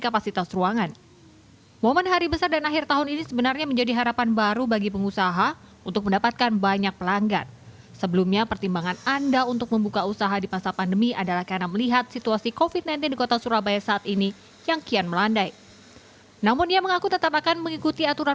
pembangunan pembangunan pembangunan